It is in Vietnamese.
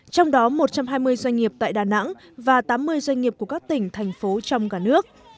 trong đó một trăm hai mươi doanh nghiệp tại đà nẵng và tám mươi doanh nghiệp của các tỉnh thành phố trong cả nước